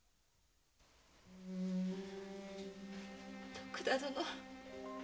徳田殿。